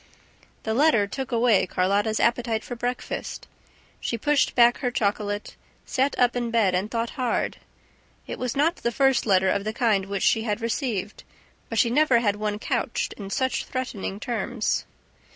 The letter took away Carlotta's appetite for breakfast. She pushed back her chocolate, sat up in bed and thought hard. It was not the first letter of the kind which she had received, but she never had one couched in such threatening terms.